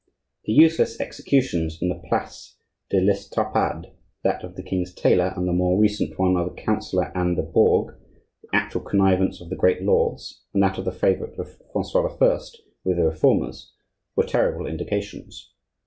The useless executions in the Place de l'Estrapade, that of the king's tailor and the more recent one of the Councillor Anne du Bourg, the actual connivance of the great lords, and that of the favorite of Francois I. with the Reformers, were terrible indications.